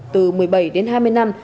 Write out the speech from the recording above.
từ một mươi bảy đến hai mươi năm